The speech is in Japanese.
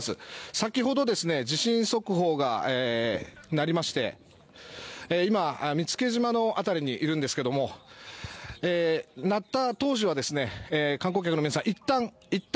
先ほど、地震速報が鳴りまして今、見附島の辺りにいるんですけども鳴った当時は観光客の皆さん